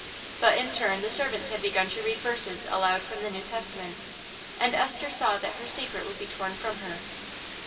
But in turn the servants had begun to read verses aloud from the New Testament, and Esther saw that her secret would be torn from her.